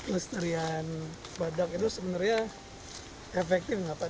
lestarian badak itu sebenarnya efektif gak pak